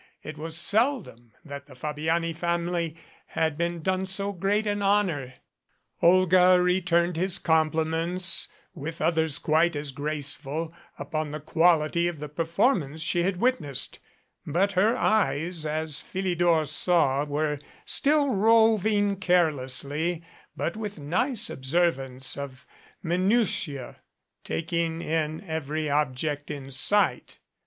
It was seldom that the Fabiani family had been done so great an honor. Olga returned his compliments with others quite as graceful upon the quality of the performance she had witnessed, but her eyes, as Philidor saw, were still roving carelessly but with nice observance of minutiae, taking in every object in sight.